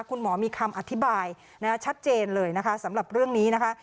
คุณหมอมีคำอธิบายชัดเจนเลยนะคะสำหรับเรื่องนี้นะคะ